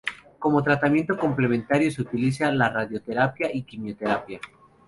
Como tratamiento complementario se utiliza la radioterapia y quimioterapia.